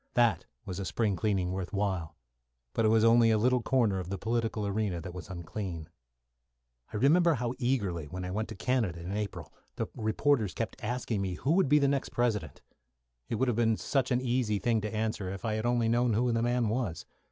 That was a spring cleaning worth while. But it was only a little corner of the political arena that was unclean. I remember how eagerly, when I went to Canada in April, the reporters kept asking me who would be the next President. It would have been such an easy thing to answer if I had only known who the man was.